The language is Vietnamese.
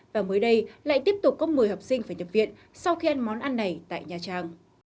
và mới đây lại tiếp tục có một mươi học sinh phải nhập viện sau khi ăn món ăn này tại nha trang